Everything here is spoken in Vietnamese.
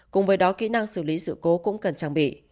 cùng với đó kỹ năng xử lý sự cố cũng cần trang bị